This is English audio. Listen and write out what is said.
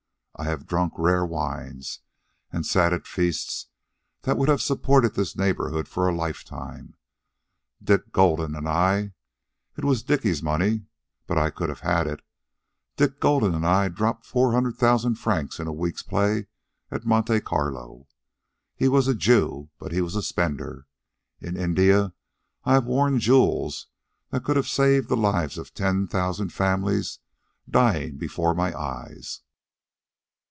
I have drunk rare wines and sat at feasts that would have supported this neighborhood for a lifetime. Dick Golden and I it was Dickie's money, but I could have had it Dick Golden and I dropped four hundred thousand francs in a week's play at Monte Carlo. He was a Jew, but he was a spender. In India I have worn jewels that could have saved the lives of ten thousand families dying before my eyes."